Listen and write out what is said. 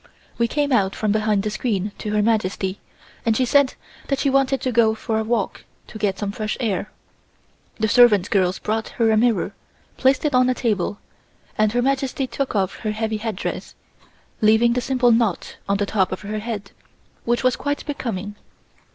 We came out from behind the screen to Her Majesty and she said that she wanted to go for a walk to get some fresh air. The servant girls brought her a mirror, placed it on a table, and Her Majesty took off her heavy headdress, leaving the simple knot on the top of her head, which was quite becoming.